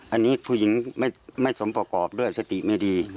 อันนี้ผู้หญิงไม่สมประกอบด้วยสติไม่ดี